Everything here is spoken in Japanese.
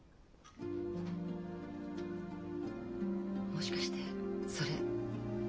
もしかしてそれ。